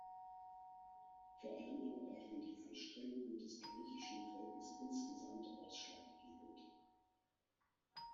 Vor allem aber waren die Anstrengungen des griechischen Volkes insgesamt ausschlaggebend.